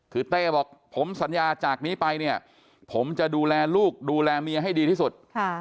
คือเต้บอกผมสัญญาจากนี้ไปเนี่ยผมจะดูแลลูกดูแลเมียให้ดีที่สุด